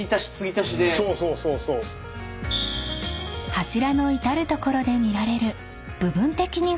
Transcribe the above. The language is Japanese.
［柱の至る所で見られる部分的に補修した跡］